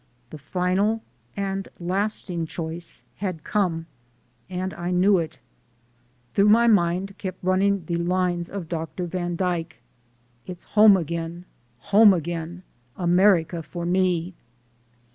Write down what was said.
The final and lasting choice had come and I knew it. Through my mind kept running the lines of Dr. Van Dyke, "It's home again, home again, America for me!"